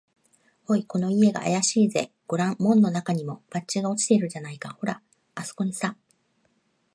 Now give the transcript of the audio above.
「おい、この家があやしいぜ。ごらん、門のなかにも、バッジが落ちているじゃないか。ほら、あすこにさ」